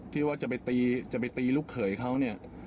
ที่จะไปตีจะไปตีลูกเขยเขาเนี่ย